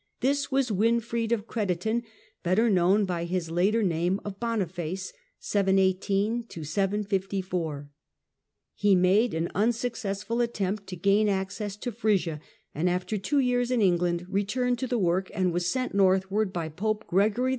This was Winfried of Crediton, better known by his later name of Boniface. He had made an unsuccessful attempt to gain access to Frisia, and after two years in England returned to the work, and was sent northward by Pope Gregory II.